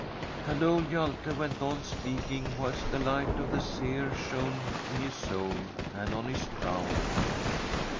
And old Hjalte went on speaking, whikt the light of the seer shone in his soul and on his brow.